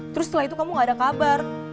terus setelah itu kamu gak ada kabar